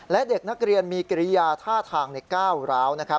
และเด็กนักเรียนมีกิริยาท่าทางในก้าวร้าว